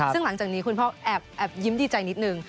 ซึ่งหลังจากนี้คุณพ่อแอบยิ้มดีใจนิดนึง